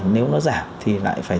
nếu nó giảm thì lại phải